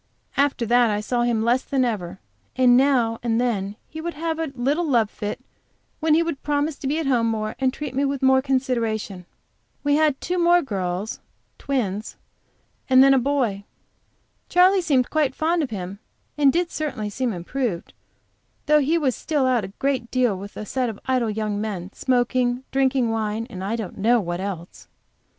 After that I saw him less than ever, though now and then he would have a little love fit, when he would promise to be at home more and treat me with more consideration. We had two more little girls twins; and then a boy. Charley seemed quite fond of him, and did certainly seem improved, though he was still out a great deal with a set of idle young men, smoking, drinking wine, and, I don't know what else.